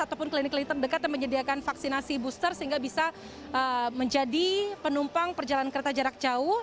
ataupun klinik klinik terdekat yang menyediakan vaksinasi booster sehingga bisa menjadi penumpang perjalanan kereta jarak jauh